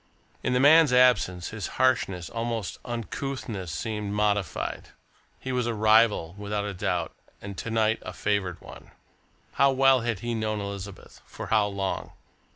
In the man's absence, his harshness, almost uncouthness, seemed modified. He was a rival, without a doubt, and to night a favoured one. How well had he known Elizabeth? For how long?